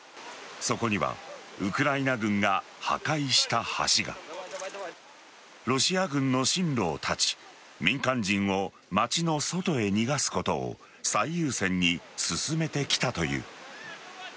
そこにはウクライナ軍が破壊した橋がロシア軍の進路を断ち民間人を街の外へ逃がすことを最優先に進めてきたという。